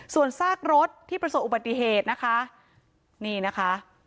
ส่วนซากรถที่ประสบอุบัติเหตุนะคะนี่นะคะ